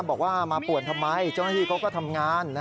บอกว่ามาป่วนทำไมเจ้าหน้าที่เขาก็ทำงาน